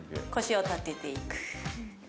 腰を立てていく。